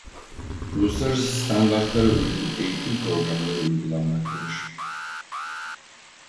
Uluslararası standartlara uygun eğitim programları uygulamaktadır.